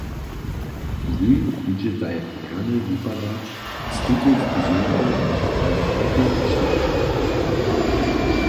Wój budźetej rjanej wupadać z tutej frizuru a w tutym šaće.